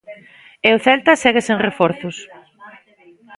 E o Celta segue sen reforzos.